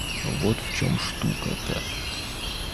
Вот в чем штука-то.